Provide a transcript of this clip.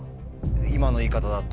今の言い方だと。